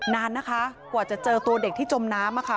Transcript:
นานนะคะกว่าจะเจอตัวเด็กที่จมน้ำค่ะ